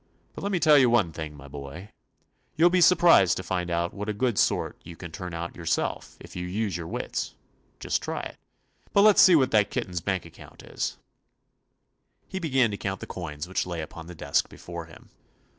But let mc tell you one thing, my boy, you '11 be surprised to find out what a good sort you can turn out yourself if you use your wits. Just try it. But let's see what the kitten's bank account is." 47 THE ADVENTURES OF He began to count the coins which lay upon the desk before him.